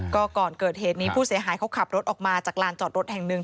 ก็ก่อนเกิดเหตุนี้ผู้เสียหายเขาขับรถออกมาจากลานจอดรถแห่งหนึ่ง